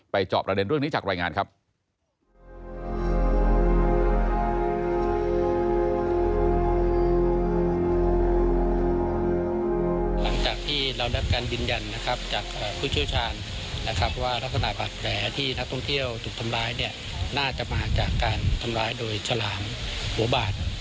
จอบประเด็นเรื่องนี้จากรายงานครับ